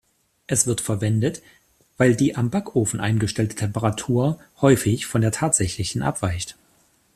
Es wird verwendet, weil die am Backofen eingestellte Temperatur häufig von der tatsächlichen abweicht.